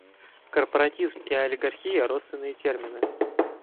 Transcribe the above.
Корпоратизм и олигархия - родственные термины.